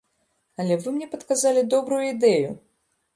Але вы мне падказалі добрую ідэю!